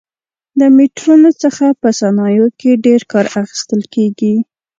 له میټرونو څخه په صنایعو کې ډېر کار اخیستل کېږي.